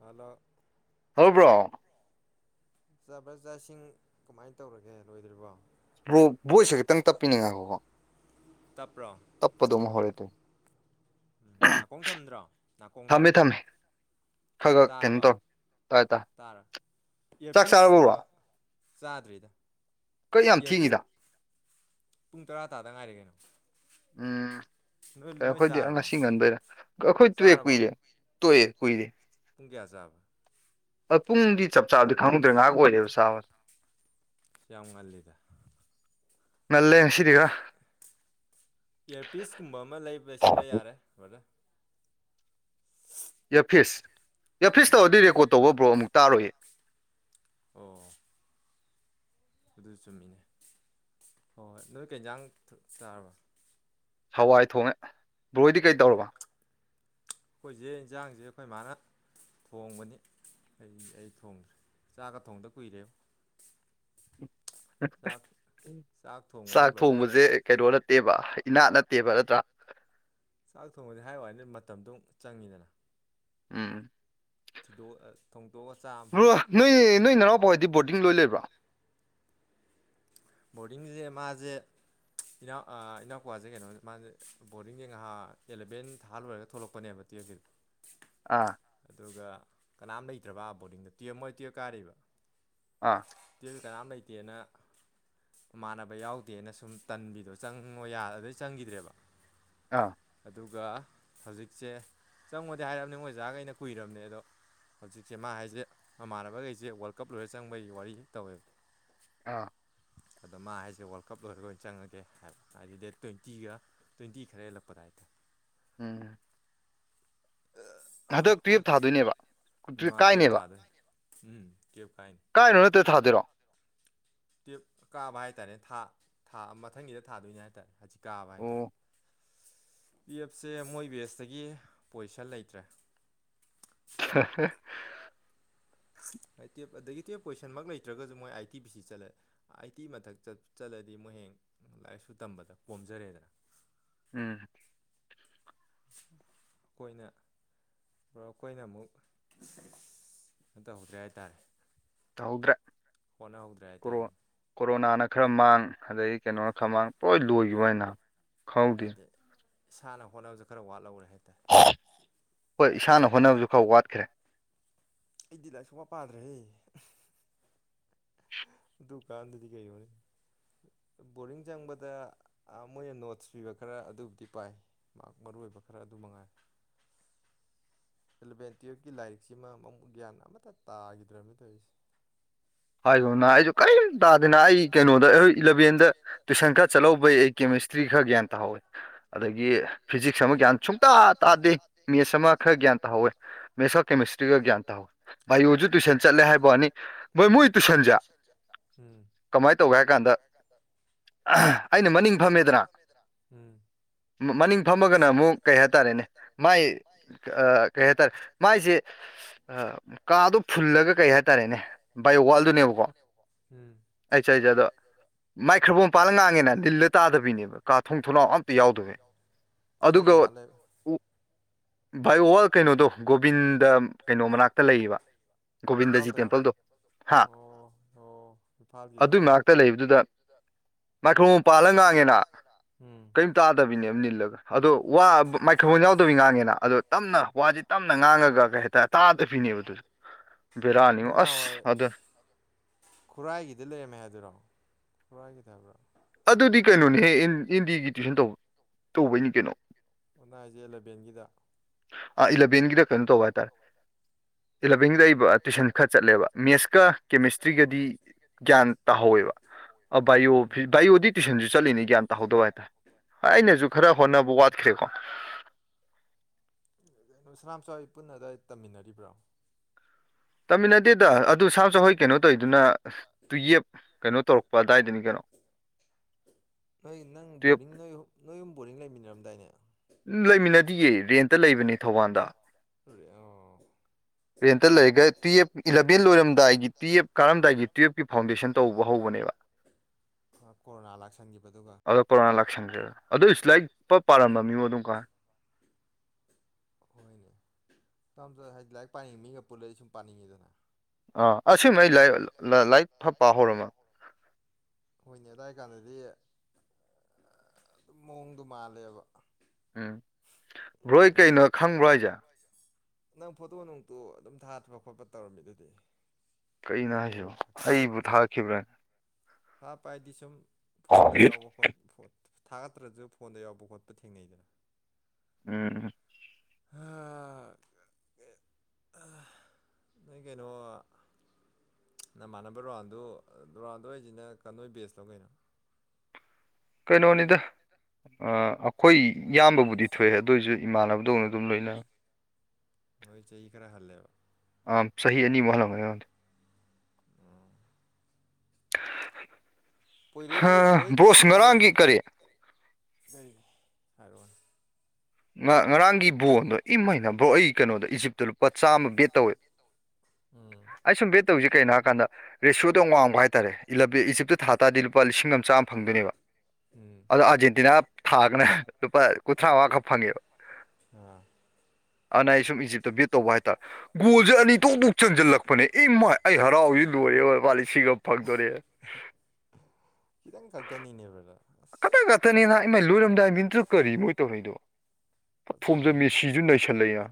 Hello. ꯍꯧꯕ꯭ꯔꯣ꯫ ꯆꯥꯕ꯭ꯔꯥ ꯆꯥꯁꯤꯡ ꯀꯃꯥꯏꯅ ꯇꯧꯔꯒꯦ ꯂꯣꯏꯗ꯭ꯔꯤꯕꯣ꯫ ꯕ꯭ꯔꯣ ꯚꯣꯏꯁꯦ ꯈꯤꯇꯪ ꯇꯞꯄꯤꯅꯤꯡꯉꯕꯀꯣ꯫ ꯇꯄ꯭ꯔꯣ꯫ ꯇꯞꯄꯗꯣ ꯃꯍꯣꯢ꯫ ꯎꯝ ꯅꯥꯀꯣꯡ ꯊꯝꯗ꯭ꯔꯣ ꯅꯥꯀꯣꯡꯗ꯫ ꯇꯥꯔꯕꯣ ꯇꯥꯔ ꯏꯌꯦ ꯄꯤꯁꯀ꯫ ꯆꯥꯗ꯭ꯔꯤꯗ ꯏꯌꯥꯔꯄꯤꯠ ꯄꯨꯡ ꯇꯔꯥ ꯇꯥꯗ ꯉꯥꯏꯔ ꯀꯩꯅꯣ꯫ ꯎꯝ꯫ ꯑꯩꯈꯣꯏꯗꯤ ꯉꯁꯤ ꯉꯟꯗꯣꯏꯔ ꯑꯩꯈꯣꯏ ꯇꯣꯛꯑꯦ ꯀꯨꯏꯔꯦ ꯇꯣꯛꯑꯦ ꯀꯨꯏꯔꯦ꯫ ꯄꯨꯡꯀꯌꯥ ꯆꯥꯕ꯫ ꯄꯨꯡꯗꯤ ꯆꯞ ꯆꯥ꯫ ꯗꯤ ꯈꯪꯗ꯭ꯔ ꯉꯍꯥꯛ ꯑꯣꯏꯦꯕ ꯁꯥꯕ꯫ ꯁꯤ ꯌꯥꯝ ꯉꯜꯂꯦꯗ꯫ ꯉꯡꯂꯦ ꯉꯁꯤꯗꯤ ꯈꯔ꯫ ꯏꯌꯔꯄꯤꯤꯁꯀꯨꯝꯕ ꯑꯃ ꯂꯩꯁꯤꯟꯕ ꯌꯥꯔꯦ ꯕ꯭ꯔꯗ꯫ ꯌꯥꯐꯤꯁ ꯌꯥꯐꯤꯁ ꯇꯧꯔꯗꯤ ꯔꯦꯀꯣꯔꯠ ꯇꯧꯕ꯭ꯔꯣ ꯑꯃꯨꯛ ꯇꯥꯔꯣꯏꯏꯌꯦ꯫ ꯑꯣ꯫ ꯑꯗꯨ ꯆꯨꯝꯃꯤꯅꯦ ꯍꯣꯏ ꯍꯣꯏ ꯅꯣꯏ ꯀꯦꯟꯖꯥꯡ ꯆꯥꯔꯕ꯫ ꯍꯋꯥꯏ ꯊꯣꯡꯉꯦ ꯕ꯭ꯔꯣꯏꯗꯤ ꯀꯩ ꯇꯧꯔꯕ꯫ ꯑꯩꯈꯣꯏꯁꯦ ꯏꯟꯁꯥꯡꯁꯦ ꯑꯩꯈꯣꯏ ꯃꯥꯅ꯫ ꯊꯣꯡꯕꯅꯤ ꯑꯩ ꯑꯩ ꯊꯣꯡꯗ꯭ꯔꯦ ꯆꯥꯒꯒ ꯊꯣꯡꯗ ꯀꯨꯏꯔꯦꯉꯣ ꯆꯥꯛ ꯊꯣꯡꯕꯖꯦ ꯀꯩꯅꯣ ꯅꯠꯇꯦꯕ ꯏꯅꯥꯠ ꯅꯠꯇꯦꯕ ꯅꯠꯇ꯭ꯔꯥ ꯆꯥꯛ ꯊꯣꯡꯕꯁꯦ ꯍꯥꯏ ꯋꯥꯅꯤ ꯃꯇꯝꯗꯣ ꯆꯪꯉꯤꯗꯅ ꯎꯝ ꯊꯤꯗꯣꯛꯑ ꯊꯣꯡꯗꯣꯛꯑ ꯆꯥꯃ ꯐꯩ ꯕꯣꯔꯗꯤꯡ ꯂꯣꯏ ꯂꯩꯕ꯭ꯔꯣ ꯕꯣꯔꯗꯤꯡꯖꯤ ꯃꯥꯖꯦ ꯏꯅꯥꯎ ꯏꯅꯥꯎꯄꯥꯖꯦ ꯀꯩꯅꯣ ꯃꯥꯖꯦ ꯕꯣꯔꯗꯤꯡꯖꯦ ꯉꯥꯏꯍꯥ ꯑꯦꯂꯕꯦꯟ ꯊꯥ ꯂꯣꯢꯔꯒ ꯊꯣꯛꯂꯛꯄꯅꯦꯕ ꯇꯨꯌꯦꯐꯀꯤꯗꯣ ꯑꯥ ꯑꯗꯨꯒ ꯀꯅꯥꯝ ꯂꯩꯇ꯭ꯔꯕ ꯕꯣꯔꯗꯤꯡꯗ ꯇꯦ ꯃꯣꯏ ꯇꯌꯦꯞ ꯀꯥꯔꯤꯕ ꯑꯥ [unintelligible] ꯀꯅꯥꯝ ꯂꯩꯇꯦꯅ ꯃꯃꯥꯟꯅꯕ ꯌꯥꯎꯗꯦꯅ ꯁꯨꯝ ꯇꯟꯕꯤꯗꯣ ꯆꯪꯉꯣ ꯌꯥ ꯑꯗꯩ ꯆꯪꯒꯤꯗ꯭ꯔꯦꯕ ꯑꯥ ꯑꯗꯨꯒ ꯍꯧꯖꯤꯛꯁꯦ ꯆꯪꯉꯣꯗꯤ ꯍꯥꯏꯔꯕꯅꯦ ꯃꯣꯏ ꯑꯣꯖꯥꯒꯩꯅ ꯀꯨꯏꯔꯕꯅꯦ ꯑꯗꯣ ꯍꯧꯖꯤꯛꯁꯦ ꯃꯥ ꯍꯥꯏꯖꯦ ꯃꯃꯥꯟꯅꯕꯒꯩꯖꯦ ꯋꯥꯔꯜ ꯀꯞ ꯂꯣꯏꯔ ꯆꯪꯕꯒꯤ ꯋꯥꯔꯤ ꯇꯧꯋꯦꯕ ꯑꯥ ꯑꯗꯣ ꯃꯥ ꯍꯥꯏꯖꯦ ꯋꯥꯔꯜ ꯀꯞ ꯂꯣꯏꯔꯒ ꯑꯣꯏ ꯆꯪꯉꯒꯦ ꯍꯥꯏꯗꯤ ꯗꯦꯠ ꯇ꯭ꯋꯦꯟꯇꯤꯒ ꯇ꯭ꯋꯦꯟꯇꯤ ꯈꯔ ꯍꯦꯜꯂꯛꯄ ꯑꯗꯥꯏꯗꯣ ꯎꯝ ꯑ ꯍꯣꯏ ꯃꯥ ꯇꯨꯌꯦꯞ ꯊꯥꯗꯣꯏꯅꯦ ꯎꯝ ꯇꯨꯌꯦꯞ ꯀꯥꯏꯅꯦ ꯀꯥꯏꯔꯣ ꯅꯠꯇ꯭ꯔꯥ ꯊꯥꯗꯣꯏꯔꯣ ꯇꯨꯌꯦꯞ ꯀꯥꯕ ꯍꯥꯏꯇꯥꯥꯔꯦ ꯊꯥ ꯊꯥ ꯃꯊꯪꯒꯤꯗ ꯊꯥꯗꯣꯏꯅꯦ ꯍꯥꯏ ꯇꯥꯔꯦ ꯍꯖꯤꯛ ꯀꯥꯕ ꯍꯥꯏꯇꯥꯥꯔꯦ ꯇꯨꯌꯦꯞꯁꯦ ꯃꯣꯏ ꯕꯦꯖꯇꯒꯤ ꯄꯣꯏꯁꯟ ꯂꯩꯇ꯭ꯔꯦ [unintelligible] ꯇꯨꯌꯦꯞ ꯑꯗꯒꯤ ꯇꯨꯌꯦꯞ ꯄꯣꯖꯤꯁꯟꯃꯛ ꯂꯩꯇ꯭ꯔꯒꯁꯨ ꯃꯣꯏ ꯑꯥꯏ ꯇꯤꯄꯤ ꯁꯤ ꯆꯠꯂꯦ ꯑꯩꯇꯤ ꯃꯊꯛ ꯆꯠꯂꯗꯤ ꯃꯣꯏ ꯍꯌꯦꯡ ꯂꯥꯏꯔꯤꯁꯨ ꯇꯝꯕꯗ ꯄꯣꯝꯖꯔꯦꯗꯅ ꯎꯝ ꯈꯣꯏꯅ ꯕ꯭ꯔꯣ ꯑꯩꯈꯣꯏꯅ ꯑꯃꯨꯛ ꯀꯩꯅꯣ ꯇꯧꯍꯧꯗ꯭ꯔꯦ ꯍꯥꯏꯇꯥꯔꯦ ꯇꯧꯍꯧꯗ꯭ꯔꯦ ꯀꯣꯔꯣ ꯀꯣꯔꯣꯅꯥꯅ ꯈꯔ ꯃꯥꯡ ꯑꯗꯩ ꯀꯩꯅꯣ ꯈ ꯃꯥꯡ ꯄꯣꯏ ꯂꯣꯏꯒꯤꯕ ꯋꯥꯅꯤꯅ ꯍꯥꯏꯗꯤ ꯏꯁꯥꯅ ꯍꯣꯠꯅꯕꯖ ꯈꯔ ꯋꯥꯠꯍꯧꯔꯦ ꯍꯥꯏꯇꯥꯢ ꯍꯣꯏ ꯏꯁꯥꯅ ꯍꯣꯠꯅꯕꯖꯨ ꯈꯔ ꯋꯥꯠꯈ꯭ꯔꯦ ꯑꯩꯗꯤ ꯂꯥꯏꯔꯤꯛ ꯁꯨꯡꯄꯥ ꯄꯥꯗ꯭ꯔꯦꯍꯦ [inaudible] ꯑꯗꯨꯀꯥꯟꯗꯗꯤ ꯀꯩꯅꯣꯅꯦ ꯕꯣꯔꯤꯡ ꯆꯪꯕꯗ ꯃꯣꯏꯅ ꯅꯣꯠꯁ ꯄꯤꯕ ꯈꯔ ꯑꯗꯨꯕꯨꯗꯤ ꯄꯥꯏ ꯃꯥꯛ ꯃꯔꯨ ꯑꯣꯏꯕ ꯈꯔ ꯑꯗꯨ ꯃꯉꯥꯏ ꯑꯦꯂꯕꯦꯟ ꯇꯨꯌꯦꯜꯞꯀꯤ ꯂꯥꯏꯔꯤꯛꯁꯤꯃꯥ ꯃꯃꯨꯠ ꯒ꯭ꯌꯥꯟ ꯑꯃꯠꯇ ꯇꯥꯒꯤꯗ꯭ꯔꯕꯅꯤ ꯇꯧꯔꯤꯁꯦ ꯍꯥꯏꯒꯨꯝꯅ ꯑꯩꯁꯨ ꯀꯔꯤꯝ ꯇꯥꯗꯦꯅ ꯑꯩ ꯀꯩꯅꯣꯗ ꯏꯂꯚꯦꯟꯗ ꯇꯨꯏꯁꯟ ꯈꯔ ꯆꯠꯍꯧꯕꯩ ꯑꯩ ꯀꯦꯃꯤꯁ ꯇ꯭ꯔꯤ ꯈꯔ ꯒ꯭ꯌꯥꯟ ꯇꯥꯍꯧꯋꯦ ꯑꯗꯒꯤ ꯐꯤꯖꯤꯛꯁ ꯑꯃ ꯒ꯭ꯌꯥꯟ ꯁꯨꯡꯇꯥ ꯇꯥꯗꯦ ꯃꯦꯠꯁ ꯑꯃ ꯈꯔ ꯒ꯭ꯌꯥꯟ ꯇꯧꯍꯧꯋꯦ ꯃꯦꯠꯁ ꯀ ꯀꯦꯃꯤꯁꯇ꯭ꯔꯤꯒ ꯒ꯭ꯌꯥꯟ ꯇꯍꯧꯋꯦ ꯕꯥꯏꯌꯣꯁꯨ ꯇꯨꯋꯏꯁꯟ ꯆꯠꯂꯦ ꯍꯥꯏꯕ ꯋꯥꯅꯤ ꯍꯣꯏ ꯃꯣꯏ ꯇꯨꯢꯁꯟꯖꯦ ꯎꯝ ꯀꯃꯥꯏ ꯇꯧꯒꯦ ꯍꯥꯏ ꯀꯥꯟꯗ ꯑꯩꯅ ꯃꯅꯤꯡ ꯐꯝꯃꯦꯗꯅ ꯎꯝ ꯃꯅꯤꯡ ꯐꯝꯃꯒꯅ ꯑꯃꯨꯛ ꯀꯩ ꯍꯥꯏꯇꯥꯔꯦꯅꯦ ꯃꯥꯏ ꯀꯩ ꯍꯥꯏꯇꯥꯔꯦ ꯃꯥꯏꯖ ꯀꯥꯗꯣ ꯐꯨꯜꯂꯒ ꯀꯩ ꯍꯥꯏꯇꯥꯔꯦꯅꯦ ꯕꯥꯌꯣ ꯋꯥꯜꯗꯨꯅꯦꯕꯀꯣ ꯎꯝ ꯑꯩ ꯆꯠꯂꯤꯖꯦ ꯑꯗꯣ ꯃꯥꯏꯀꯔꯐꯣꯟ ꯄꯥꯜꯂ ꯉꯥꯡꯉꯦꯅ ꯅꯤꯜꯅ ꯇꯥꯗꯕꯤꯅꯦꯕ ꯀꯥ ꯊꯣꯡ ꯊꯣꯡꯅꯥꯎ ꯑꯝꯇ ꯌꯥꯎꯗꯕꯩ ꯀꯥꯏ ꯖꯒꯥ ꯂꯩꯕ ꯚꯥꯏ ꯋꯥꯜ ꯀꯩꯅꯣꯗꯣ ꯒꯣꯕꯤꯟꯗ ꯀꯩꯅꯣ ꯃꯅꯥꯛꯇ ꯂꯩꯌꯦꯕ ꯒꯣꯕꯤꯟꯗꯖꯤ ꯇꯦꯝꯄꯜꯗꯣ ꯑꯗꯨꯏ ꯃꯅꯥꯛꯇ ꯂꯩꯕꯗꯨꯗ ꯃꯥꯏꯀꯔꯐꯣ ꯄꯥꯜꯂ ꯉꯥꯡꯉꯦꯅ ꯀꯩꯝ ꯇꯥꯗꯕꯤꯅꯦꯕ ꯅꯤꯜꯂꯒ ꯑꯗꯣ ꯋꯥ ꯃꯥꯏꯀꯔꯐꯣꯟ ꯌꯥꯎꯗꯕꯤ ꯉꯥꯡꯉꯦꯅ ꯑꯗꯣ ꯇꯞꯅ ꯋꯥꯁꯤ ꯇꯞꯅ ꯉꯥꯡꯉꯒ ꯀꯩ ꯍꯥꯏꯇꯥꯔꯦ ꯇꯥꯗꯕꯤꯅꯦꯕ ꯑꯗꯨꯁꯨ ꯕꯦꯔꯥꯅꯤꯉꯣ ꯑꯁ ꯑꯗꯨ ꯈꯨꯔꯥꯏꯒꯤꯗ ꯂꯩꯔꯝꯃꯦ ꯍꯥꯏꯗꯨꯔꯣ ꯈꯨꯔꯥꯏꯒꯤꯗ ꯍꯥꯏꯕ꯭ꯔꯣ ꯑꯗꯨꯗꯤ ꯀꯩꯅꯣꯅꯣꯍꯦ ꯑꯦꯟꯗꯤꯒꯤ ꯇꯨꯢꯁꯟ ꯇꯧꯕ ꯇꯧꯕꯩꯅꯤ ꯀꯩꯅꯣ ꯑꯣ ꯅꯪ ꯍꯥꯏꯖꯦ ꯑꯦꯂꯕꯦꯟꯒꯤꯗ ꯑ ꯏꯂꯚꯦꯟꯒꯤꯗ ꯀꯩꯅꯣ ꯇꯧꯕ ꯍꯥꯏꯇꯥꯔꯦ ꯏꯂꯚꯦꯟꯒꯤꯗ ꯑꯩꯕ ꯇꯨꯏꯁꯟ ꯈꯔ ꯆꯠꯂꯦꯕ ꯃꯦꯠꯁꯀ ꯀꯦꯃꯦꯁꯇ꯭ꯔꯤꯒꯗꯤ ꯒ꯭ꯌꯥꯟ ꯇꯥꯍꯧꯋꯦꯕ ꯑ ꯕꯥꯏꯌꯣ ꯐꯤ ꯕꯥꯢꯌꯣꯗꯤ ꯇꯨꯏꯁꯟꯖꯨ ꯆꯠꯂꯤꯅꯤ ꯒꯌꯥꯟ ꯇꯥꯍꯧꯗꯕ ꯍꯥꯏꯇꯥꯔꯦ ꯑꯩꯅꯖꯨ ꯈꯔ ꯍꯣꯠꯅꯕ ꯋꯥꯠꯈ꯭ꯔꯦꯀꯣ ꯁꯅꯥꯝꯃꯆꯥꯍꯣꯢ ꯄꯨꯟꯅ ꯑꯗꯋꯥꯏ ꯇꯝꯃꯤꯟꯅꯔꯤꯕ꯭ꯔꯣ ꯇꯝꯃꯤꯟꯅꯗꯦꯗ ꯑꯗꯨ ꯁꯥꯃꯆꯥꯍꯣꯏ ꯀꯩꯅꯣ ꯇꯧꯔꯤꯗꯨꯅ ꯇꯨꯌꯦꯞ ꯀꯩꯅꯣ ꯇꯧꯔꯛꯄ ꯑꯗꯥꯏꯗꯅꯤ ꯀꯩꯅꯣ ꯅꯣꯏ ꯅꯪ ꯕꯣꯔꯗꯤꯡ ꯅꯣꯏ ꯅꯣꯏꯑꯍꯨꯝ ꯕꯣꯔꯗꯤꯡ ꯂꯩꯃꯤꯟꯅꯔꯝꯗꯥꯏꯅꯦ ꯎꯝ ꯂꯩꯃꯤꯟꯅꯗꯤꯌꯦ ꯔꯦꯟꯇ ꯂꯩꯕꯅꯦ ꯊꯧꯕꯥꯟꯗ ꯑꯣ ꯔꯦꯟꯇ ꯂꯩꯔꯒ ꯇꯨꯌꯦꯞ ꯏꯂꯚꯦꯟ ꯂꯣꯏꯔꯝꯗꯥꯏꯒꯤ ꯇꯨꯌꯦꯞ ꯀꯥꯔꯝꯗꯥꯏꯒꯤ ꯇꯨꯌꯦꯞꯀꯤ ꯐꯥꯎꯟꯗꯦꯁꯟ ꯇꯧꯕ ꯍꯧꯕꯅꯦꯕ ꯀꯣꯔꯣꯅꯥ ꯂꯥꯛꯁꯟꯒꯤꯕ ꯑꯗꯨꯒ ꯑꯗꯣ ꯀꯣꯔꯣꯅꯥ ꯂꯥꯛꯁꯟꯒ꯭ꯔꯦ ꯑꯗꯨꯣꯢꯁꯨ ꯂꯥꯢꯔꯤꯛ ꯐꯥ ꯄꯥꯔꯝꯃꯅꯤꯀꯣ ꯑꯗꯨꯝꯀꯥꯟ ꯍꯣꯏꯅꯦ ꯄꯥꯝ ꯖꯥ ꯍꯥꯏꯗꯤ ꯂꯥꯏꯔꯤꯛ ꯄꯥꯅꯤꯡ ꯃꯤꯒ ꯄꯨꯜꯂꯗꯤ ꯁꯨꯝ ꯄꯥꯅꯤꯡꯉꯤꯗꯅ ꯑꯥ ꯑꯁꯦꯡꯕꯩꯅꯦ ꯑꯩ ꯂꯥꯏꯔꯤꯛ ꯐ ꯄꯥ ꯍꯧꯔꯝꯃꯅꯦ ꯍꯣꯏꯅꯦ ꯑꯗꯥꯏ ꯀꯥꯟꯗꯗꯤ ꯑꯗꯨꯝ ꯃꯑꯣꯡꯗꯣ ꯃꯥꯜꯂꯦꯕ ꯎꯝ ꯕ꯭ꯔꯣ ꯍꯣꯢ ꯀꯩꯅꯣ ꯈꯪꯕ꯭ꯔꯣ ꯍꯥꯢꯖꯦ ꯅꯪ ꯐꯣꯇꯣ ꯅꯨꯡꯇꯣ ꯑꯗꯨꯝ ꯊꯥꯒꯠꯄ ꯈꯣꯠꯄ ꯇꯧꯔꯝꯃꯤꯗꯨꯗꯤ ꯈꯪꯍꯧꯋꯤ ꯈꯪꯍꯧꯋꯤ ꯀꯩꯅꯣ ꯊꯥꯒꯠꯄ ꯍꯥꯏꯗꯤ ꯁꯨꯝ ꯐꯣꯟꯗ ꯌꯥꯎꯕ ꯐꯣ ꯐꯣ ꯊꯥꯒꯠꯇ꯭ꯔꯁꯨ ꯐꯣꯟꯗ ꯌꯥꯎꯕ ꯈꯣꯠꯄ ꯊꯦꯡꯅꯩꯗꯅ ꯎꯝ ꯅꯣꯏ ꯀꯩꯅꯣ ꯅꯃꯥꯟꯅꯕ ꯔꯣꯅꯥꯟꯗꯣ ꯔꯣꯅꯥꯟꯗꯣ ꯍꯥꯏꯖꯤꯅ ꯅꯣꯏ ꯕꯦꯁꯂꯣ ꯀꯩꯅꯣ ꯀꯩꯅꯣꯅꯤꯗ ꯑꯈꯣꯏ ꯏꯌꯥꯝꯕꯕꯨꯗꯤ ꯊꯣꯛꯑꯦ ꯑꯗꯨ ꯑꯣꯢꯖꯨ ꯏꯃꯥꯟꯅꯕꯗꯧꯅ ꯑꯗꯨꯝ ꯂꯣꯏꯅ ꯅꯣꯏ ꯆꯍꯤ ꯈꯔ ꯍꯜꯂꯦꯕ ꯑꯥ ꯆꯍꯤ ꯑꯅꯤꯃꯨꯛ ꯍꯜꯂꯝꯒꯅꯤ ꯑꯩꯉꯣꯟꯗꯩ ꯄꯣꯏꯔꯩꯒꯤ ꯄꯣꯏꯔꯩ ꯄꯣꯏꯔꯩ ꯀꯔꯤ ꯍꯥꯏꯔꯑꯣꯅꯦ ꯉ ꯉꯔꯥꯡꯒꯤ ꯕꯣꯟꯗꯣ ꯏꯃꯩꯅ ꯕ꯭ꯔꯣ ꯑꯩ ꯀꯩꯅꯣꯗꯣ ꯏꯖꯤꯞꯇ ꯂꯨꯄꯥ ꯆꯥꯝꯃ ꯕꯦꯠ ꯇꯧꯋꯦ ꯎꯝ ꯑꯩ ꯁꯨꯝ ꯕꯦꯠ ꯇꯧꯋꯤꯁꯦ ꯀꯩꯅꯣ ꯍꯥꯏꯀꯥꯟꯗ ꯔꯦꯁꯤꯌꯣꯗꯣ ꯌꯥꯝ ꯋꯥꯡꯕ ꯍꯥꯏꯇꯥꯔꯦ ꯢꯂꯕꯦ ꯏꯖꯤꯞꯇ ꯊꯥ ꯇꯥꯗꯤ ꯂꯨꯄꯥ ꯂꯤꯁꯤꯡ ꯑꯃ ꯆꯥꯝ ꯐꯪꯗꯣꯏꯅꯦꯕ ꯑꯗꯣ ꯑꯥꯔꯖꯦꯟꯇꯤꯅꯥ ꯊꯥꯔꯒꯅꯦ ꯂꯨꯄꯥ ꯀꯨꯟꯊ꯭ꯔꯥ ꯃꯉꯥꯈꯛ ꯐꯪꯉꯦꯕ ꯑꯥ ꯑꯅ ꯑꯩꯁꯨꯝ ꯏꯖꯤꯞꯇ ꯕꯤꯠ ꯇꯧꯕ ꯍꯥꯏꯇꯥꯔꯦ ꯒꯣꯜꯖꯦ ꯑꯅꯤ ꯊꯣꯛ ꯊꯣꯛ ꯆꯟꯁꯤꯜꯂꯛꯄꯅꯦ ꯏꯃꯥꯏ ꯑꯩ ꯍꯔꯥꯎꯕꯁꯤ ꯂꯣꯏꯔꯦꯕꯣ ꯂꯨꯄꯥ ꯂꯤꯁꯤꯡ ꯑꯃ ꯐꯪꯗꯣꯔꯦ ꯈꯤꯇꯪ ꯈꯛꯇꯅꯤꯅꯦ ꯕꯔꯗꯔ ꯑꯁ ꯉꯥꯛꯛꯇꯅ ꯢꯃꯥꯏ ꯂꯣꯏꯔꯝꯗꯥꯏ ꯃꯤꯟꯠꯇꯨꯗ ꯀꯔꯤ ꯃꯣꯏ ꯇꯧꯔꯛꯏꯗꯨꯕꯣ ꯐꯥ ꯊꯣꯝꯖ ꯃꯦꯁꯤꯁꯨ ꯅꯩꯁꯜꯂꯛꯏꯍꯥ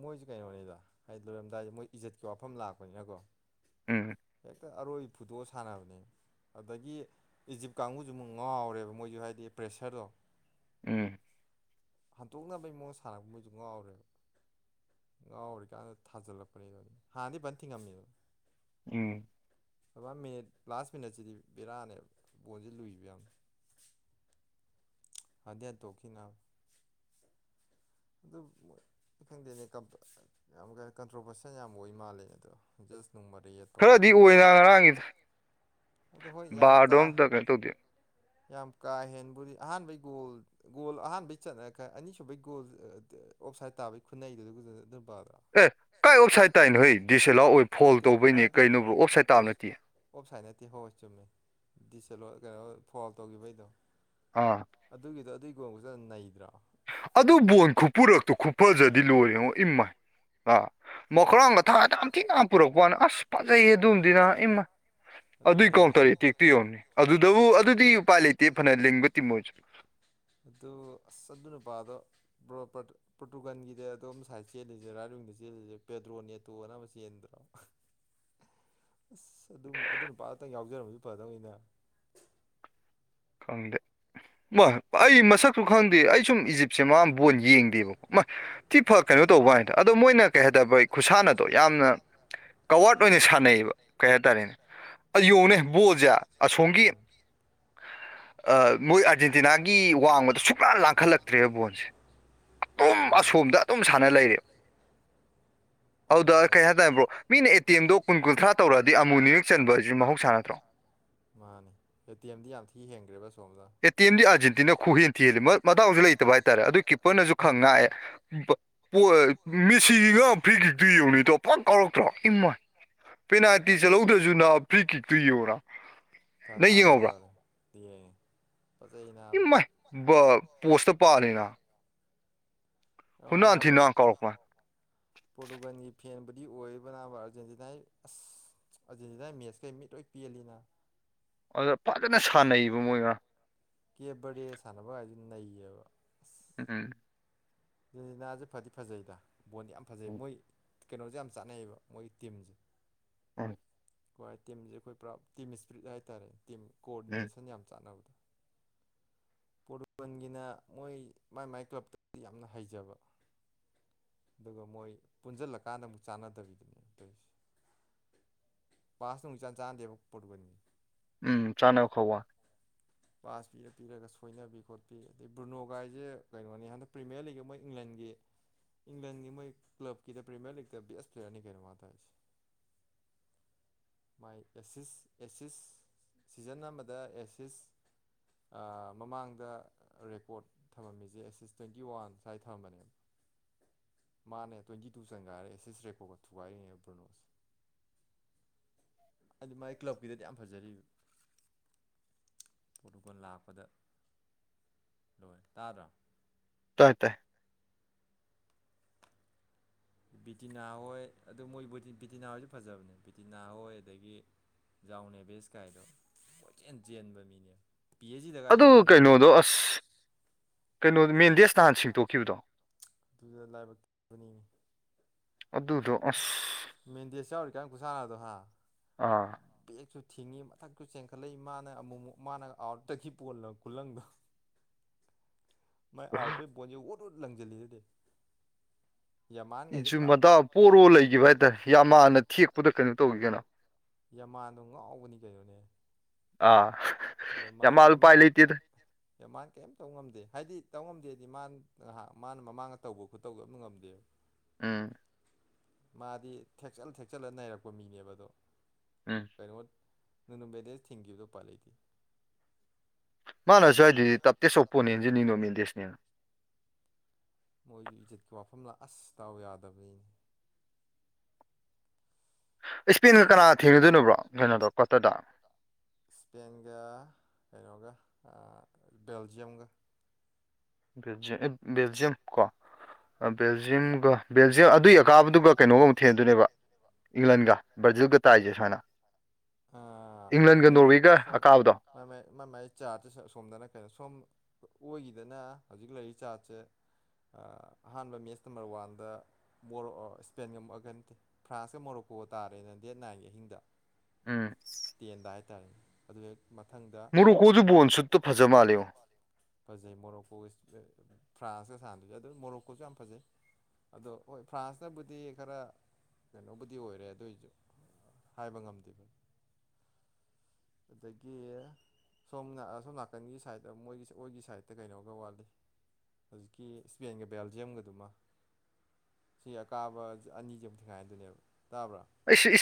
ꯃꯣꯏꯖꯦ ꯀꯩꯅꯣꯅꯤꯗ ꯍꯥꯏꯗꯤ ꯂꯣꯏꯔꯝꯗꯥꯏ ꯃꯣꯏ ꯏꯖꯠꯀꯤ ꯋꯥꯐꯝ ꯂꯥꯛꯄꯅꯤꯅꯀꯣ ꯎꯝ ꯍꯦꯛꯇ ꯑꯔꯣꯏ ꯐꯨꯗꯣ ꯁꯥꯟꯅꯕꯅꯦꯃꯦ ꯑꯗꯒꯤ ꯏꯖꯤꯞ ꯀꯥꯡꯒꯨꯖꯨ ꯑꯃꯨꯛ ꯉꯥꯎꯔꯦꯕ ꯃꯣꯏꯁꯨ ꯍꯥꯏꯗꯤ ꯄ꯭ꯔꯦꯁꯔꯗꯣ ꯎꯝ ꯍꯟꯇꯣꯛꯅꯕ ꯃꯑꯣꯡ ꯁꯥꯟꯅꯔꯄ ꯃꯩꯁꯨ ꯉꯥꯎꯔꯦꯕ ꯉꯥꯎꯔꯤꯀꯥꯟꯗ ꯊꯥꯖꯤꯜꯂꯛꯄꯅꯤꯗꯅ ꯍꯥꯟꯅꯗꯤ ꯐꯥꯅ ꯊꯤꯉꯝꯃꯦ ꯎꯝ ꯃꯤꯅꯤꯠ ꯂꯥꯁ ꯃꯤꯅꯠꯁꯤꯗꯤ ꯕꯦꯔꯥꯅꯦ ꯕꯣꯟꯁꯤ ꯂꯨꯏꯕ ꯌꯥꯝꯅ ꯑꯗ ꯇꯣꯈꯤꯅ [inaudible] ꯑꯗꯨꯕꯨ ꯃꯣꯏ ꯈꯪꯗꯦꯅꯦ ꯀꯝ ꯄ ꯑ ꯌꯥꯝ ꯀꯩ ꯀꯟꯇ꯭ꯔꯣꯚꯔꯁꯦꯜ ꯌꯥꯝ ꯑꯣꯏ ꯃꯥꯜꯂꯦꯅꯦ ꯑꯗꯣ ꯖꯁ ꯅꯨꯡ ꯃꯔꯩ ꯌꯦꯠ ꯈꯔꯗꯤ ꯑꯣꯏ ꯉꯔꯥꯡꯒꯤꯗꯣ ꯑꯗꯣ ꯍꯣꯏ ꯌꯥꯝ ꯀ ꯌꯥꯝ ꯀꯥ ꯍꯦꯟꯕꯨꯔꯤ ꯑꯍꯥꯟꯕꯩ ꯒꯣꯜ ꯒꯣꯜ ꯑꯍꯥꯟꯕꯩ ꯆꯠꯅꯈ ꯑꯅꯤꯁꯨꯕꯩ ꯒꯣꯜ ꯑꯗꯣ ꯑꯣꯞꯁꯥꯏꯠ ꯇꯥꯕꯩ ꯈꯨꯟꯅꯩꯗꯣ ꯑꯗꯨ ꯅꯨꯄꯥꯗꯣ ꯑ [inaudible] ꯑꯣꯞꯁꯥꯏꯠ ꯅꯠꯇꯦ ꯍꯣꯍꯣꯏ ꯆꯨꯝꯃꯤ ꯗꯤꯁꯂꯣꯏ ꯀꯩꯅꯣꯍꯣꯏ ꯐꯣꯜ ꯇꯧꯒꯤꯕꯩꯗꯣ ꯑꯥ ꯑꯗꯨꯒꯤꯗꯣ ꯑꯗꯨꯏ ꯒꯣꯟ ꯈꯨꯆꯟꯗꯣ ꯅꯩꯗ꯭ꯔꯣ ꯑꯗꯨ ꯕꯣꯟ ꯈꯨꯄꯔꯛꯇꯣ ꯈꯨꯐꯖꯗꯤ ꯂꯣꯏꯔꯦꯉꯣ ꯏꯝꯃꯥꯏ ꯑꯥ ꯃꯈ꯭ꯔꯥꯡꯒ ꯊꯥꯗ ꯑꯝꯊꯤ ꯉꯥ ꯄꯨꯔꯛꯄ ꯋꯥꯅꯦ ꯑꯁ ꯐꯥꯖꯩꯌꯦ ꯑꯗꯨꯝꯅꯤ ꯅꯥ ꯏꯃꯥꯏ ꯑꯗꯨꯏ ꯀꯥꯎꯟꯇꯔꯤꯇꯤ ꯇꯨ ꯌꯣꯅꯤ ꯑꯗꯨꯗꯕꯨ ꯑꯗꯨꯗꯤ ꯎꯄꯥꯏ ꯂꯩꯇꯦ ꯐꯅ ꯂꯤꯡꯕ ꯇꯤꯝ ꯑꯣꯏꯁꯨ ꯑꯗꯨ ꯑꯁ ꯑꯗꯨ ꯅꯨꯄꯥꯗꯣ ꯕ꯭ꯔꯣꯄꯔꯠ ꯄ꯭ꯔꯣꯔꯇꯨꯒꯥꯟꯒꯤꯗ ꯑꯗꯣꯝ ꯉꯁꯥꯏꯗ ꯆꯦꯜꯂꯤꯁꯦ ꯔꯥꯏꯠ ꯋꯤꯡꯗ ꯆꯦꯜꯂꯤꯁꯦ ꯄꯦꯗ꯭ꯔꯣ ꯅꯇꯣ ꯑꯅ ꯑꯃ ꯆꯦꯟꯗ꯭ꯔꯣ ꯑꯁ ꯑꯗꯨꯝ ꯑꯗꯨ ꯅꯨꯄꯥ ꯑꯝꯇꯪ ꯌꯥꯎꯖꯔꯝꯃꯁꯨ ꯐꯗꯧꯅꯤꯗ ꯈꯪꯗꯦ ꯑꯩ ꯃꯁꯛꯁꯨ ꯈꯪꯗꯦ ꯑꯩ ꯁꯨꯝ ꯏꯖꯤꯞꯁꯦ ꯃꯥ ꯕꯣꯟ ꯌꯦꯡꯗꯦꯕꯀꯣ ꯃꯥ ꯊꯤ ꯐ ꯀꯩꯅꯣ ꯇꯧꯕ ꯍꯥꯏꯗꯣ ꯑꯗꯣ ꯃꯣꯏꯅ ꯀꯩ ꯍꯥꯏꯇꯥꯕ ꯑꯩ ꯈꯨꯁꯥꯟꯅꯗꯣ ꯌꯥꯝꯅ ꯀꯋꯥꯔꯗ ꯑꯣꯏꯅ ꯁꯥꯟꯅꯩꯌꯦꯕ ꯀꯩ ꯍꯥꯏꯇꯥꯔꯦꯅꯦ ꯑꯗꯨ ꯌꯦꯡꯉꯅꯦ ꯕꯣꯜꯁꯦ ꯑꯁꯣꯝꯒꯤ ꯑ ꯃꯣꯏ ꯑꯥꯔꯖꯦꯟꯇꯤꯅꯥꯒꯤ ꯋꯥꯡꯃꯗ ꯁꯨꯛꯂ ꯂꯥꯡꯈꯠꯂꯛꯇ꯭ꯔꯦꯕ ꯕꯣꯟꯁꯦ ꯑꯗꯨꯝ ꯑꯁꯣꯝꯗ ꯑꯗꯨꯝ ꯁꯥꯟꯅ ꯂꯩꯔꯦꯕ [unintelligible] ꯑꯗꯨꯗ ꯀꯩ ꯍꯥꯏꯇꯥꯔꯕ꯭ꯔꯣ ꯃꯤꯅ ꯑꯦ ꯇꯦꯝꯣ ꯀꯨꯟ ꯀꯨꯟꯊ꯭ꯔꯥ ꯇꯧꯔꯑꯗꯤ ꯑꯃꯨ ꯅꯤꯌꯛ ꯆꯟꯕꯕꯁꯤꯁꯨ ꯃꯍꯧꯁꯥ ꯅꯠꯇ꯭ꯔꯣ ꯃꯥꯅꯦ ꯄꯦ ꯇꯤ ꯑꯦꯝꯗꯤ ꯌꯥꯝ ꯊꯤ ꯍꯦꯟꯈ꯭ꯔꯦꯕ ꯁꯣꯝꯗ ꯑꯦ ꯇꯤ ꯑꯦꯝꯗꯤ ꯑꯥꯔꯖꯦꯟꯇꯤꯅ ꯈꯨꯍꯦꯟ ꯊꯤꯍꯜꯂꯤ ꯃꯇꯎꯁꯨ ꯂꯩꯇꯕ ꯍꯥꯏꯇꯥꯔꯦ ꯑꯗꯨ ꯀꯤꯞꯄꯔꯅꯁꯨ ꯈꯪ ꯉꯥꯛꯑꯦ ꯑꯝ ꯄ ꯄꯣꯔꯦ ꯃꯦꯁꯤꯒꯤ ꯉꯥ ꯐ꯭ꯔꯤ ꯀꯤꯛꯇꯣ ꯌꯦꯉꯣꯅꯦ ꯏꯇꯥꯥꯎ ꯐꯥ ꯀꯥꯎꯔꯛꯇ꯭ꯔꯣ ꯏꯃꯥꯏ ꯄꯦꯅꯥꯜꯇꯤ ꯆꯜꯍꯧꯗ꯭ꯔꯖꯁꯨ ꯅ ꯐ꯭ꯔꯤ ꯀꯤꯛꯇꯨ ꯌꯦꯉꯣ ꯅ ꯏꯊꯥ ꯊꯥꯖꯗꯅ ꯇꯧꯑꯦ ꯌꯦꯡꯉꯦ ꯐꯖꯩꯅꯕ ꯅ ꯑꯕ [inaudible] ꯄꯣꯔꯇꯨꯒꯥꯟꯒꯤ ꯐꯦꯟꯕꯨꯗꯤ ꯑꯣꯏꯕ ꯅꯕ ꯑꯥꯔꯖꯦꯟꯇꯤꯅꯥꯒꯤ ꯑꯁ ꯑꯔꯖꯦꯟꯇꯤꯅ ꯃꯦꯁ ꯀꯩ ꯃꯤꯠ ꯂꯣꯏ ꯄꯦꯜꯂꯤꯅ ꯑꯗ ꯐꯖꯅ ꯁꯥꯟꯅꯩꯕ ꯃꯣꯏ ꯉꯔꯥꯡ ꯀꯦꯕꯔꯗꯦ ꯁꯥꯟꯅꯕ ꯍꯥꯏꯗꯤ ꯅꯩꯌꯦꯕ ꯎꯝ ꯑꯔꯖꯦꯟꯇꯤꯅꯥꯁꯦ ꯐꯥꯗꯤ ꯐꯖꯩꯗ ꯕꯣꯜꯗꯤ ꯌꯥꯝ ꯐꯖꯩ ꯃꯣꯏ ꯀꯩꯅꯣꯁꯦ ꯌꯥꯝ ꯆꯥꯟꯅꯩꯌꯦꯕ ꯃꯣꯏꯒꯤ ꯇꯤꯝꯖꯦ ꯍꯣꯢ ꯀ꯭ꯋꯥꯏ ꯇꯤꯝꯖꯦ ꯑꯩꯈꯣꯏ ꯄꯨꯔꯥ ꯇꯤꯝ ꯏꯁꯄ꯭ꯔꯤꯠ ꯍꯥꯏ ꯇꯥꯔꯦ ꯇꯤꯝ ꯀꯣꯑꯣꯔꯗꯤꯅꯦꯁꯟ ꯌꯥꯝ ꯆꯥꯟꯅꯕꯗꯣ ꯄꯣꯔꯕꯟꯒꯤꯅ ꯃꯣꯏ ꯃꯥꯏ ꯃꯥꯏ ꯀ꯭ꯂꯞꯇ ꯌꯥꯝꯅ ꯍꯩꯖꯕ ꯑꯗꯨꯒ ꯃꯣꯏ ꯄꯨꯟꯁꯤꯜꯂꯀꯥꯟꯗ ꯑꯃꯨꯛ ꯆꯥꯟꯅꯗꯕꯤꯗꯨꯅꯦ ꯇꯧꯔꯤꯁꯦ ꯄꯥꯁ ꯨꯛ ꯆꯥꯟ ꯆꯥꯟꯅꯗꯦꯕ ꯄꯨꯣꯠꯨꯀꯅꯤ ꯎꯝ ꯆꯥꯅ ꯈ ꯄꯥꯁ ꯄꯤꯔ ꯄꯤꯔꯒꯁꯨ ꯀꯣꯏꯅꯕꯤ ꯈꯣꯠꯄꯤ ꯑꯗꯩ ꯕ꯭ꯔꯨꯅꯣꯒꯥꯏꯁꯦ ꯀꯩꯅꯣꯅꯤ ꯍꯟꯗꯛ ꯄ꯭ꯔꯤꯃꯤꯌꯔ ꯂꯤꯛ ꯃꯣꯏ ꯏꯪꯂꯦꯟꯒꯤ ꯏꯪꯂꯟꯒꯤ ꯃꯣꯏ ꯀ꯭ꯂꯕꯀꯤꯗ ꯄ꯭ꯔꯤꯃꯤꯌꯔ ꯂꯤꯛꯇ ꯕꯦꯁ ꯄ꯭ꯂꯦꯌꯥꯔꯅꯤ ꯀꯩꯅꯣ ꯃꯥ ꯇꯔꯤꯁꯦ ꯃꯥꯏ ꯑꯦꯁꯤꯁ ꯑꯦꯁꯤꯁ ꯁꯤꯖꯟ ꯑꯃꯗ ꯑꯦꯁꯤꯁ ꯃꯃꯥꯡꯗ ꯔꯦꯀꯣꯔꯠ ꯊꯝꯃꯝꯃꯤꯁꯦ ꯑꯦꯁ ꯑꯦꯁ ꯇ꯭ꯋꯦꯟꯇꯤ ꯋꯥꯟ ꯁ꯭ꯋꯥꯏꯗ ꯊꯝꯃꯝꯕꯅꯦꯕ ꯃꯥꯅꯦ ꯇ꯭ꯋꯦꯟꯇꯤ ꯇꯨ ꯆꯪꯒꯥꯏꯔ ꯑꯦꯁꯤꯁ ꯔꯦꯀꯣꯔꯠ ꯀ ꯊꯨꯒꯥꯏꯔꯤꯅꯤ ꯄꯣꯔꯇꯨꯒꯜ ꯁꯦ ꯑꯗꯨ ꯃꯥꯏ ꯀ꯭ꯂꯕꯀꯤꯗꯗꯤ ꯌꯥꯝ ꯐꯖꯔꯤꯕ ꯄꯣꯔꯇꯨꯒꯜ ꯂꯥꯛꯄꯗ ꯂꯣꯏꯔꯦ ꯇꯥꯗ꯭ꯔ ꯇꯥꯏ ꯇꯥꯏ ꯕꯤꯇꯤꯅꯥ ꯍꯣꯏ ꯑꯗꯨ ꯃꯣꯏ ꯕꯤꯇꯤꯅꯥ ꯍꯣꯏꯁꯨ ꯐꯖꯕꯅꯦ ꯕꯤꯇꯤꯅꯥ ꯍꯣꯏ ꯑꯗꯒꯤ ꯖꯎꯅꯦ ꯕ ꯏꯁ꯭ꯀꯥꯏꯗꯣ ꯀꯣꯏꯆꯦꯟ ꯆꯦꯟꯕ ꯃꯤꯅꯦ ꯑꯗꯨ ꯀꯩꯅꯣꯗꯣ ꯑꯁ ꯀꯩꯅꯣ ꯃꯦꯟꯗꯦꯁ ꯅꯍꯥꯟ ꯦꯡꯇꯣꯛꯈꯤꯕꯗꯣ ꯑꯗꯨꯗꯣ ꯑꯁ ꯃꯦꯟꯗꯦꯠ ꯌꯥꯎꯔꯤ ꯀꯥꯏꯅ ꯄꯨꯠ ꯁꯥꯥꯔꯗꯣ ꯍꯥ ꯑꯥ ꯕꯦꯛꯁꯨ ꯊꯤꯡꯉꯤ ꯃꯊꯛꯇꯁꯨ ꯆꯦꯟꯈꯠꯂꯛꯏ ꯃꯥꯅ ꯑꯃꯨꯛꯛ ꯃꯥꯅ ꯑꯥꯎꯠꯇꯒꯤ ꯄꯣꯜꯂ ꯈꯨꯂꯪꯗꯣ ꯃꯥꯏ ꯑꯥꯎꯇꯦ ꯕꯣꯣꯟꯁꯦ ꯑꯣꯠ ꯑꯣꯠ ꯂꯪꯁꯤꯜꯂꯤꯗꯨꯗꯤ ꯏꯟꯆꯨꯝ ꯃꯇꯟ ꯄꯣꯔꯣ ꯂꯩꯈꯤꯕ ꯍꯥꯏꯇꯥꯔꯦ ꯌꯥꯝ ꯃꯥꯥꯟꯅ ꯊꯦꯛꯄꯗ ꯀꯩꯅꯣ ꯇꯧꯈꯤꯒꯅꯣ ꯌꯥꯃꯥꯟꯗꯣ ꯉꯥꯎꯕꯅꯤ ꯀꯩꯅꯣꯅꯦ ꯌꯃꯥꯟ ꯌꯃꯥꯟ ꯌꯥꯃꯥꯟ ꯀꯩꯝ ꯇꯧ ꯉꯝꯗꯦ ꯍꯥꯏꯗꯤ ꯇꯧ ꯉꯝꯗꯦꯗꯤ ꯃꯥꯅ ꯉꯍꯥ ꯃꯥꯅ ꯃꯃꯥꯡꯒ ꯇꯧꯕ ꯈꯣꯠꯇꯧꯒ ꯑꯃ ꯉꯝꯗꯦꯕ ꯎꯝ ꯃꯥꯗꯤ ꯊꯦꯛꯆꯜꯂ ꯊꯦꯛꯆꯜꯂ ꯅꯅꯥꯔꯛꯄ ꯃꯤꯅꯦꯕꯗꯣ ꯀꯩꯅꯣ ꯅꯪꯅ ꯕꯦꯗꯦꯁ ꯊꯤꯡꯈꯤꯕꯗꯣꯄꯥ ꯂꯩꯇꯦ ꯃꯥꯅꯥꯁꯨ ꯍꯥꯏꯗꯨꯗꯤ ꯇꯞꯇꯦꯁ ꯑꯣꯄꯣꯅꯦꯟꯁꯤ ꯅꯤꯅꯣꯃꯦꯟꯗꯦꯁꯅꯦꯅ ꯃꯣꯏꯁꯨ ꯏꯖꯠꯀꯤ ꯋꯥꯐꯝ ꯂꯥꯛꯑꯁ ꯇꯎ ꯌꯥꯗꯕꯒꯤꯅꯤ ꯏꯁꯄꯦꯟꯒ ꯀꯅꯥ ꯊꯦꯡꯒꯗꯣꯏꯅꯣꯕ ꯀꯩꯅꯣꯗꯣ ꯀ꯭ꯋꯥꯇꯔꯗ ꯁ꯭ꯄꯦꯟꯒ ꯀꯩꯅꯣꯒ ꯕꯦꯜꯖꯤꯌꯝꯒ ꯌ ꯕꯦꯜꯖꯤꯌꯝ ꯀꯣ ꯕꯦꯜꯖꯤꯌꯝꯒ ꯕꯦꯜꯁ ꯑꯗꯨꯒꯤ ꯑꯀꯥꯕꯗꯨꯒ ꯀꯩꯅꯣꯒ ꯑꯃꯛ ꯊꯦꯟꯗꯨꯣꯏꯅꯦꯕ ꯏꯪꯂꯦꯟꯟ ꯒ ꯕ꯭ꯔꯖꯤꯜꯒ ꯇꯥꯖꯦꯁꯅ ꯑ ꯀꯩꯅꯣ ꯁꯣ ꯃ ꯃ ꯃ ꯃꯥꯏ ꯆꯥꯔꯗ ꯁꯣꯝꯗꯅ ꯀꯩꯅꯣ ꯁꯣꯝ ꯑꯣꯏꯒꯤꯗꯅ ꯍꯧꯖꯤꯛ ꯂꯩꯔꯤ ꯆꯥꯔꯠꯁꯦ ꯑ ꯑꯍꯥꯟꯕ ꯃꯦꯁ ꯅꯝꯕꯔ ꯋꯥꯟꯗ ꯃꯣꯔꯣ ꯑ ꯏꯁꯄꯦꯟꯒ ꯑꯃ ꯀ ꯅꯠꯇꯦ ꯐ꯭ꯔꯥꯟꯁꯀ ꯃꯣꯔꯣꯀꯣ ꯇꯥꯔꯦꯅ ꯗꯦꯠ ꯅꯥꯏꯟꯒꯤ ꯑꯍꯤꯡꯗ ꯎꯝ ꯇꯦꯟꯗ ꯍꯥꯏꯇꯥꯔꯦ ꯑꯗꯨ ꯍꯦꯛ ꯃꯊꯪꯗ ꯃꯨꯔꯨꯀꯣꯁꯨ ꯕꯣꯜ ꯁꯨꯨꯠ ꯇ ꯐꯖ ꯃꯥꯜꯂꯦꯉꯣ ꯐꯖꯩ ꯃꯣꯔꯣꯀꯣ ꯏꯁ ꯑ ꯐ꯭ꯔꯥꯟꯁꯀ ꯁꯥꯟꯅꯗꯨꯁꯦ ꯑꯗꯨ ꯃꯣꯔꯣꯀꯣꯁꯨ ꯌꯥꯝ ꯐꯖꯩ ꯑꯗꯣ ꯍꯣꯏ ꯐ꯭ꯔꯥꯟꯁꯅꯕꯨꯗꯤ ꯈꯔ ꯀꯩꯅꯣꯕꯨꯗꯤ ꯑꯣꯏꯔꯦ ꯑꯗꯨꯏꯁꯨ ꯍꯥꯏꯕ ꯉꯝꯗꯦꯕ ꯑꯗꯒꯤ ꯁꯣꯝꯅ ꯁꯣꯝ ꯅꯥꯀꯟꯒꯤ ꯁꯥꯏꯠꯇ ꯃꯣꯏꯒꯤ ꯑꯣꯏꯒꯤ ꯁꯥꯏꯠꯇ ꯀꯩꯅꯣ ꯈ ꯋꯥꯠꯂꯤ ꯍꯧꯖꯤꯛꯀꯤ ꯁ꯭ꯄꯦꯟꯒ ꯕꯦꯜꯖꯤꯌꯝꯒꯗꯨꯃ ꯁꯤ ꯑꯀꯥꯕ ꯑꯅꯤꯁꯤꯃꯨꯛ ꯊꯦꯡ ꯍꯥꯏꯥꯏꯗꯨꯅꯦꯕ ꯇꯥꯕ꯭ꯔꯥ ꯑꯩꯁ ꯏꯁ